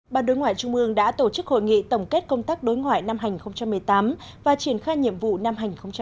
ban đối ngoại trung ương đã tổ chức hội nghị tổng kết công tác đối ngoại năm hai nghìn một mươi tám và triển khai nhiệm vụ năm hai nghìn một mươi chín